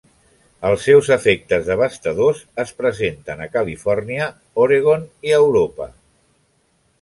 Els seus efectes devastadors es presenten a Califòrnia, Oregon i a Europa.